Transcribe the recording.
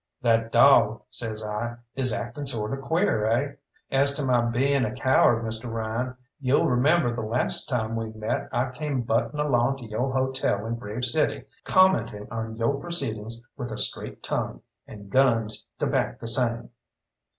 "That dawg," says I, "is acting sort of queer, eh? As to my being a coward, Mr. Ryan, you'll remember the last time we met I came buttin' along to yo' hotel in Grave City commenting on yo' proceedings with a straight tongue, and guns to back the same."